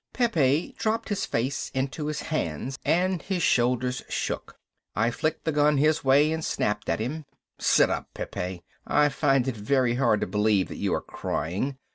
Pepe dropped his face into his hands and his shoulders shook. I flicked the gun his way and snapped at him. "Sit up, Pepe. I find it very hard to believe that you are crying.